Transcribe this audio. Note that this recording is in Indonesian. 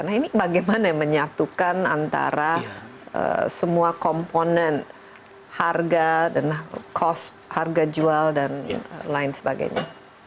nah ini bagaimana menyatukan antara semua komponen harga dan cost harga jual dan lain sebagainya